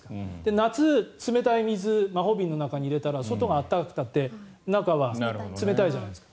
夏、冷たい水魔法瓶の中に入れたら外が暖かくたって中は冷たいじゃないですか。